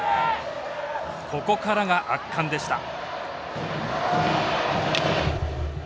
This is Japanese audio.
ここからが圧巻でした。